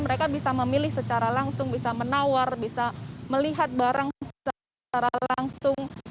mereka bisa memilih secara langsung bisa menawar bisa melihat barang secara langsung